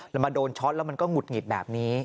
แล้วมาโดนช็อตแล้วมันก็หงุดหงิดแบบนี้